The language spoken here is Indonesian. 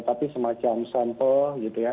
tapi semacam sampel gitu ya